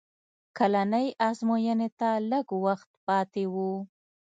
کلنۍ ازموینې ته لږ وخت پاتې و